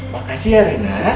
makasih ya rena